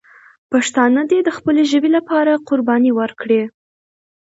پښتانه دې د خپلې ژبې لپاره قرباني ورکړي.